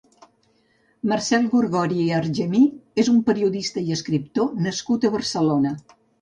Marcel Gorgori i Argemí és un periodista i escriptor nascut a Barcelona.